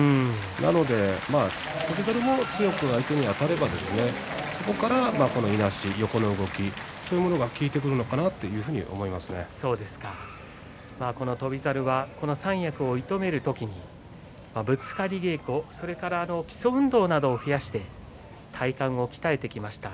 なので翔猿も強く相手にあたればそこからいなし、横の動きそういうものが翔猿は三役を射止めるときにぶつかり稽古それから基礎運動などを増やして体幹も鍛えてきました。